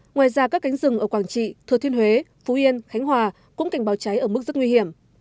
ngoài ra các cánh rừng ở quảng trị thừa thiên huế phú yên khánh hòa cũng cảnh báo cháy ở mức rất nguy hiểm